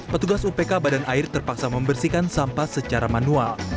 petugas upk badan air terpaksa membersihkan sampah secara manual